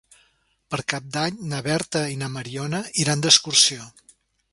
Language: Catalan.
Per Cap d'Any na Berta i na Mariona iran d'excursió.